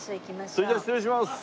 それじゃあ失礼します！